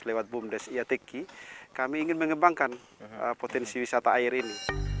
lewat bumdes iatk kami ingin mengembangkan potensi wisata air ini